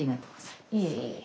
いえいえ。